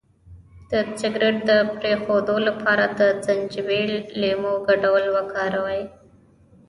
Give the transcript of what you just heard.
د سګرټ د پرېښودو لپاره د زنجبیل او لیمو ګډول وکاروئ